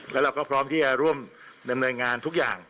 แล้วเราก็พร้อมที่จะร่วมดำเนินงานทุกอย่าง